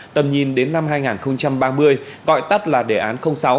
tầm nhìn đến năm hai nghìn ba mươi gọi tắt là đề án sáu